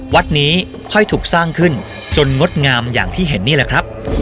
วัดนี้ค่อยถูกสร้างขึ้นจนงดงามอย่างที่เห็นนี่แหละครับ